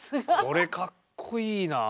これかっこいいなあ。